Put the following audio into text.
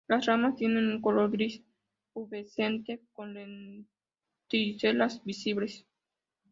Las ramas tienen un color gris pubescente con lenticelas visibles.